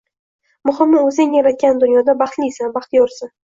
Muhimi, o’zing yaratgan dunyoda baxtlisan, baxtiyorsan.